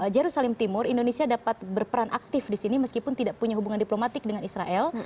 jerusalem timur indonesia dapat berperan aktif di sini meskipun tidak punya hubungan diplomatik dengan israel